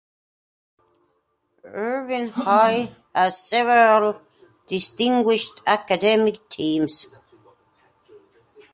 Irvine High has several distinguished academic teams.